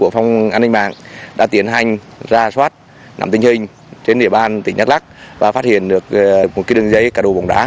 phòng an ninh mạng đã tiến hành ra soát nằm tình hình trên đẹp bàn tỉnh đắk lắc và phát hiện được một đường dây cả đồ bóng đá